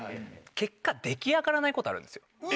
結果出来上がらないことあるんですよ。